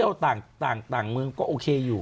ถ้าสมมุติคุณออกไปเที่ยวต่างเมืองก็โอเคอยู่